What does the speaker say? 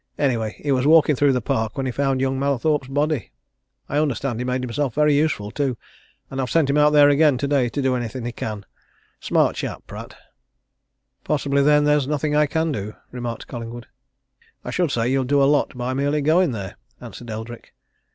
Anyway, he was walking through the park when he found young Mallathorpe's body. I understand he made himself very useful, too, and I've sent him out there again today, to do anything he can smart chap, Pratt!" "Possibly, then, there is nothing I can do," remarked Collingwood. "I should say you'll do a lot by merely going there," answered Eldrick.